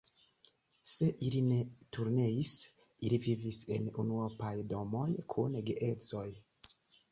Se ili ne turneis, ili vivis en unuopaj domoj kun geedzoj.